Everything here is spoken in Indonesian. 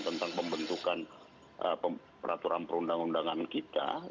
tentang pembentukan peraturan perundang undangan kita